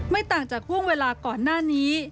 ต่างจากห่วงเวลาก่อนหน้านี้